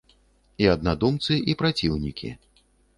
І аднадумцы, і праціўнікі.